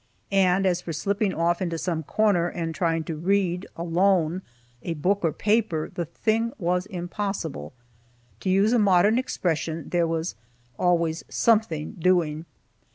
And as for slipping off into some corner and trying to read, alone, a book or paper, the thing was impossible. To use a modern expression, there was always "something doing."